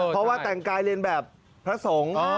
เพราะว่าแต่งกายเรียนแบบพระสงฆ์